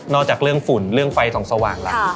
นอกจากเรื่องฝุ่นเรื่องไฟสองสว่างละ